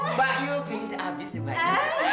mbak yu gini abis mbak yu